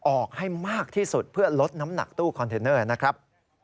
ออกให้มากที่สุดเพื่อลดน้ำหนักตู้คอนเทนเนอร์นะครับ